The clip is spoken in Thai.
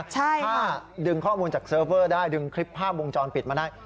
ถ้าดึงข้อมูลจากเซิร์ฟเวอร์ได้ดึงคลิปภาพวงจรปิดมาได้